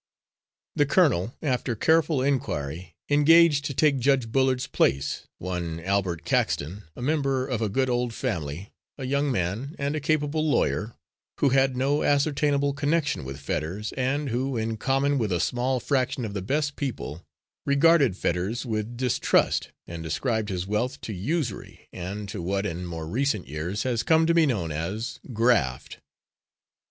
The colonel, after careful inquiry, engaged to take Judge Bullard's place, one Albert Caxton, a member of a good old family, a young man, and a capable lawyer, who had no ascertainable connection with Fetters, and who, in common with a small fraction of the best people, regarded Fetters with distrust, and ascribed his wealth to usury and to what, in more recent years, has come to be known as "graft."